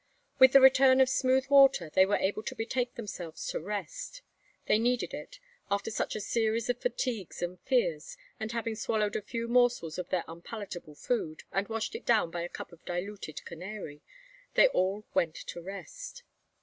With the return of smooth water they were able to betake themselves to rest. They needed it, after such a series of fatigues and fears; and having swallowed a few morsels of their unpalatable food, and washed it down by a cup of diluted Canary, they all went to rest.